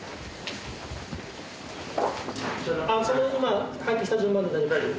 今入ってきた順番で大丈夫です。